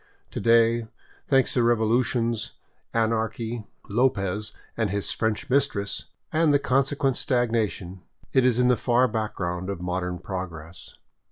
To day, thanks to revolutions, anarchy, Lopez and his French mistress, and the consequent stagnation, it is in the far background of modern prog ress.